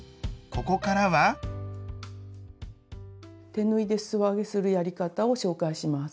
手縫いですそ上げするやり方を紹介します。